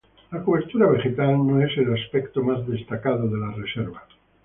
La cobertura vegetal no es el aspecto más destacado de la reserva.